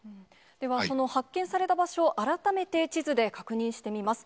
ではその発見された場所、改めて地図で確認してみます。